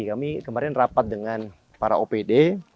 kami kemarin rapat dengan para opd